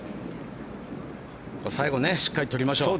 最後、しっかりとりましょう。